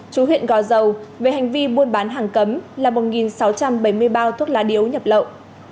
chú huyện gò dầu về hành vi buôn bán hàng cấm là một sáu trăm bảy mươi bao thuốc lá điếu nhập lậu